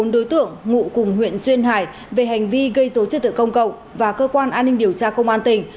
bốn đối tượng ngụ cùng huyện xuyên hải về hành vi gây dấu trật tự công cậu và cơ quan an ninh điều tra công an tỉnh